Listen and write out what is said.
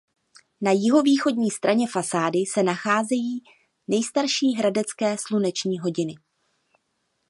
Na jihovýchodní straně fasády se nacházejí nejstarší hradecké sluneční hodiny.